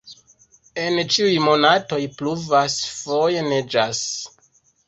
En ĉiuj monatoj pluvas, foje neĝas.